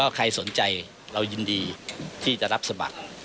ใครสนใจเรายินดีที่จะรับสมัคร